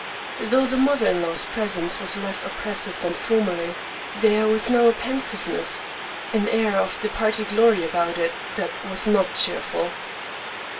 Though the mother in law's presence was less oppressive than formerly, there was now a pensiveness, an air of departed glory about it, that was not cheerful.